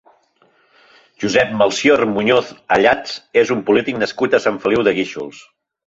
Josep Melcior Muñoz Ayats és un polític nascut a Sant Feliu de Guíxols.